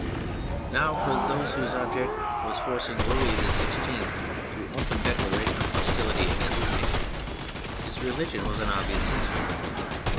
Now for those whose object was forcing Louis XVI to open declarations of hostility against the nation, his religion was an obvious instrument.